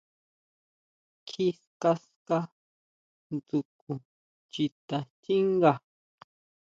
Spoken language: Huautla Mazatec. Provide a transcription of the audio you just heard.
Kjí ska, ska dsjukʼu chita xchínga.